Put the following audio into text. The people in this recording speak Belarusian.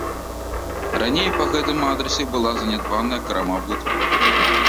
Раней па гэтым адрасе была занядбаная крама абутку.